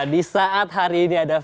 di saat hari ini ada